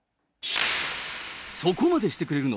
そこまでしてくれるの？